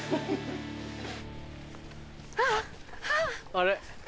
あれ？